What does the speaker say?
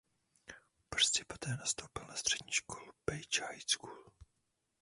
Brzy poté nastoupil na střední školu Page High School.